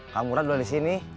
kamu udah di sini